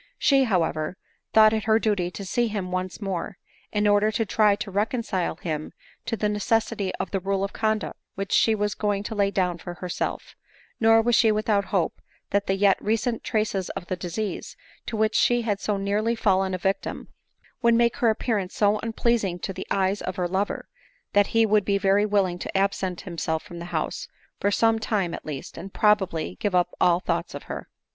She, however, thought it her duty to see him once more, in order to try to reconcile him to the necessity of the rule of conduct which she was going to lay down for herself ; nor was she without hope that the yet recent traces of the disease, to which she had so nearly fallen a victim, would make her appearance so unpleasing to the eyes of her lover, that he would be very wiDing to absent himself from the house, for some time at least, and probably give up all thoughts of her.